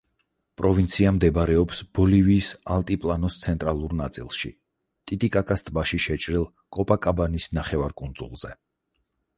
პროვინცია მდებარეობს ბოლივიის ალტიპლანოს ცენტრალურ ნაწილში, ტიტიკაკას ტბაში შეჭრილ კოპაკაბანის ნახევარკუნძულზე.